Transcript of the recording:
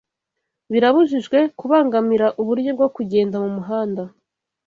Birabujijwe kubangamira uburyo bwo kugenda mu muhanda